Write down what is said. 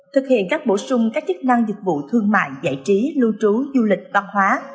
thực hiện các bổ sung các chức năng dịch vụ thương mại giải trí lưu trú du lịch văn hóa